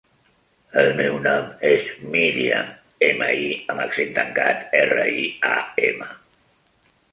El meu nom és Míriam: ema, i amb accent tancat, erra, i, a, ema.